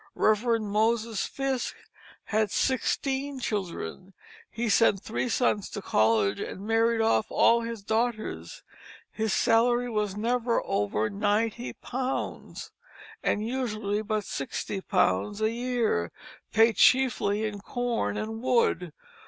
Rev. Moses Fiske had sixteen children; he sent three sons to college and married off all his daughters; his salary was never over ninety pounds, and usually but sixty pounds a year, paid chiefly in corn and wood.